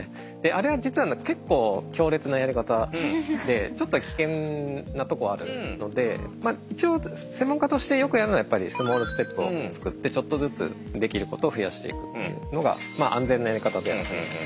あれは実は結構強烈なやり方でちょっと危険なとこあるのでまあ一応専門家としてよくやるのはやっぱりスモールステップを作ってちょっとずつできることを増やしていくっていうのが安全なやり方ではあります。